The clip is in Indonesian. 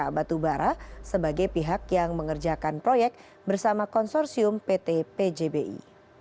sofian basir juga mencari pemeriksaan dari pemeriksaan yang berkaitan dengan konsorsium pt pjbi